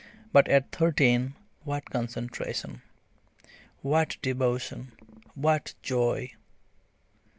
But at thirteen what concentration! what devotion! what joy!